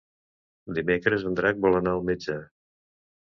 Dimecres en Drac vol anar al metge.